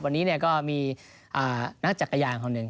วันนี้ก็มีนักจักรยานคนหนึ่ง